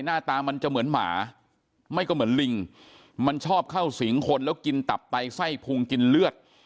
หน้าตามันจะเหมือนหมาไม่ก็เหมือนลิงมันชอบเข้าสิงคนแล้วกินตับไตไส้พุงกินเลือด